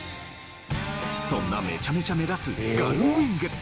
そんなめちゃめちゃ目立つガルウィング